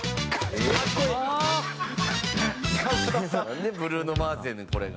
「なんでブルーノ・マーズやねんこれが」